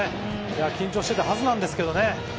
緊張していたはずなんですけどね。